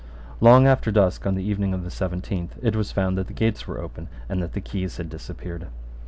Long after dusk on the evening of the seventeenth it was found that the gates were open and that the keys had disappeared.